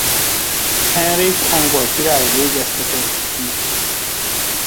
Henrik angol király végeztetett ki.